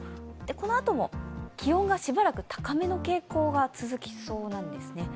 このあとも気温がしばらく高めの傾向が続きそうなんですね。